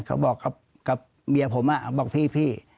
เขาบอกกับเมียผมบอกพี่